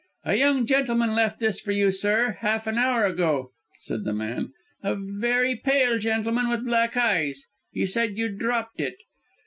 "A young gentleman left this for you, sir, half an hour ago," said the man "a very pale gentleman, with black eyes. He said you'd dropped it."